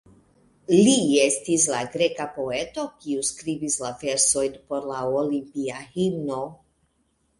Li estis la greka poeto kiu skribis la versojn por la Olimpia Himno.